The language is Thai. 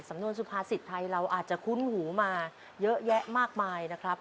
สำนวนสุภาษิตไทยเราอาจจะคุ้นหูมาเยอะแยะมากมายนะครับ